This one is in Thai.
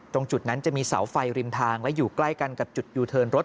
ตรงจุดนั้นจะมีเสาไฟริมทางและอยู่ใกล้กันกับจุดยูเทิร์นรถ